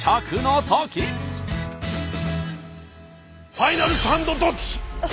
ファイナルサンドどっち！